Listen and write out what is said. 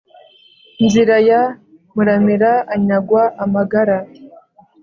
Nzira ya Muramira anyagwa amagara